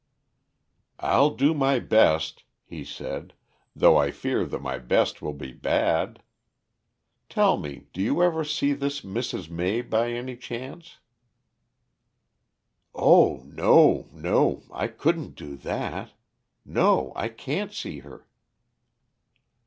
"I'll do my best," he said, "though I fear that my best will be bad. Tell me, do you ever see this Mrs. May by any chance?" "Oh! no, no! I couldn't do that. No, I can't see her."